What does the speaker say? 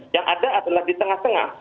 yang ada adalah di tengah tengah